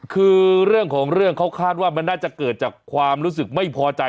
คือเรื่องของเรื่องเขาคาดว่ามันน่าจะเกิดจากความรู้สึกไม่พอใจ